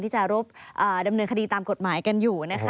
ที่จะรบดำเนินคดีตามกฎหมายกันอยู่นะคะ